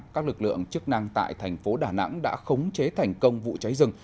các lực lượng chức năng tại thành phố đà nẵng đã khống chế thành công vụ cháy rừng